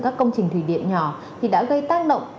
các công trình thủy điện nhỏ thì đã gây tác động